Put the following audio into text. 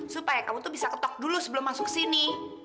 supaya kamu tuh bisa ketok dulu sebelum masuk sini